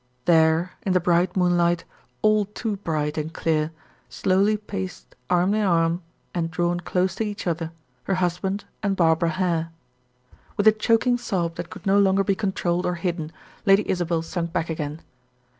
There, in the bright moonlight, all too bright and clear, slowly paced arm in arm, and drawn close to each other, her husband and Barbara Hare. With a choking sob that could no longer be controlled or hidden, Lady Isabel sunk back again.